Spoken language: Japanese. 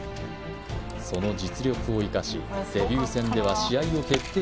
その実力を生かしデビュー戦では試合を決定